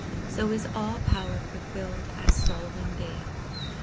So is all power fulfilled, as soul in thee.